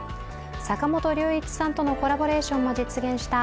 坂本龍一さんとのコラボレーションも実現した、